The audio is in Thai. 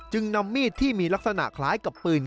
นำมีดที่มีลักษณะคล้ายกับปืน